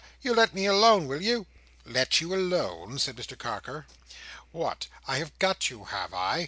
You let me alone, will you!" "Let you alone!" said Mr Carker. "What! I have got you, have I?"